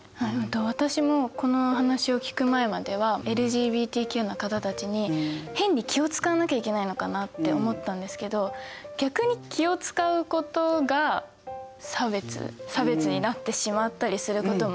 私もこのお話を聞く前まではＬＧＢＴＱの方たちに変に気をつかわなきゃいけないのかなって思ったんですけど逆に気をつかうことが差別差別になってしまったりすることもある。